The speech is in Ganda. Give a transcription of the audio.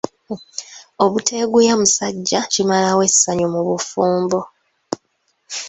Obuteeguya musajja kimalawo essanyu mu bufumbo.